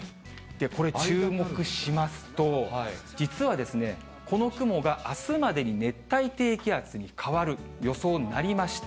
これ、注目しますと、実はですね、この雲があすまでに熱帯低気圧に変わる予想になりました。